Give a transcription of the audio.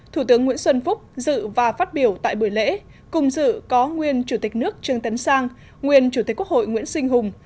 thủ tướng nguyễn xuân phúc dự và phát biểu tại buổi lễ cùng dự có nguyên chủ tịch nước trương tấn sang nguyên chủ tịch quốc hội nguyễn sinh hùng